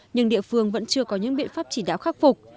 nhưng địa phương vẫn chưa có những biện pháp chỉ đạo khắc phục